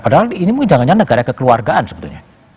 padahal ini mungkin jangan jangan negara kekeluargaan sebetulnya